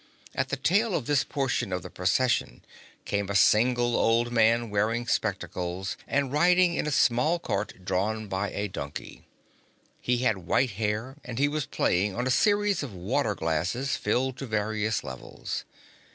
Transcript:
At the tail of this portion of the Procession came a single old man wearing spectacles and riding in a small cart drawn by a donkey. He had white hair and he was playing on a series of water glasses filled to various levels.